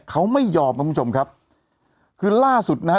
เขาไม่ยอมครับคุณผู้ชมครับคือล่าสุดนะฮะ